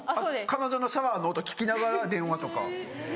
彼女のシャワーの音聞きながら電話とか。